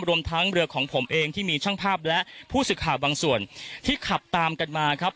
รวมทั้งเรือของผมเองที่มีช่างภาพและผู้สื่อข่าวบางส่วนที่ขับตามกันมาครับ